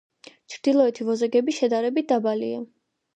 ჩრდილოეთი ვოგეზები შედარებით დაბალია.